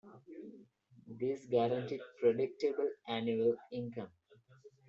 This guaranteed predictable annual income.